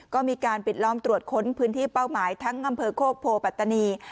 ก็มีการปิดล้อมตรวจค้นพื้นที่เป้าหมายทั้งอำเภอโคกโพปัตตานี